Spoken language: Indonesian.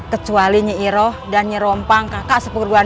kecuali nyaiiroh dan nyirompang kakak sepuluh nyaiiroh